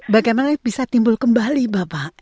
bagaimana bisa timbul kembali bapak